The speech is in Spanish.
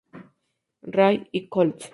Ray y cols.